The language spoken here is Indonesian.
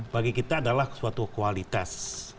bagi kita adalah suatu kualitas